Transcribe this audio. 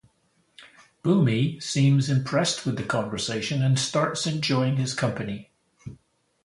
Bhoomi seems impressed with the conversation and starts enjoying his company.